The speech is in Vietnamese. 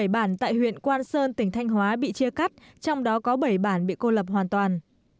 bảy bản tại huyện quan sơn tỉnh thanh hóa bị chia cắt trong đó có bảy bản bị cô lập hoàn toàn